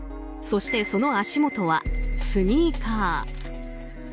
そして、その足元はスニーカー。